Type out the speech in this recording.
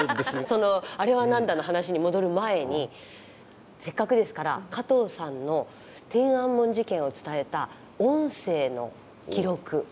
その「あれはなんだ！」の話に戻る前にせっかくですから加藤さんの天安門事件を伝えた音声の記録